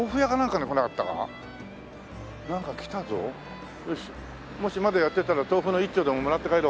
もしまだやってたら豆腐の１丁でももらって帰ろう。